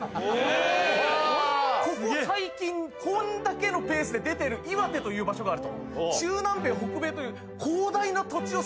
ここ最近こんだけのペースで出てる岩手という場所があると。